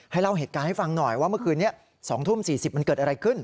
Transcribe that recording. เล่าเหตุการณ์ให้ฟังหน่อยว่าเมื่อคืนนี้๒ทุ่ม๔๐มันเกิดอะไรขึ้น